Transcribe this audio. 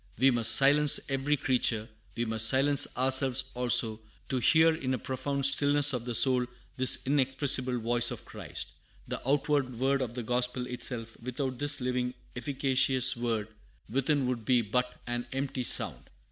We must silence every creature, we must silence ourselves also, to hear in a profound stillness of the soul this inexpressible voice of Christ. The outward word of the gospel itself without this living efficacious word within would be but an empty sound."